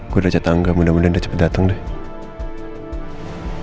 gue udah cat tangga mudah mudahan udah cepet datang deh